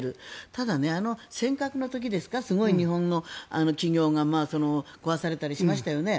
ただ、尖閣の時ですが日本の企業がすごい壊されたりしましたよね。